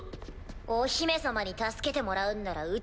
お姫様に助けてもらうんならうち